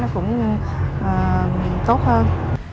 cũng tốt hơn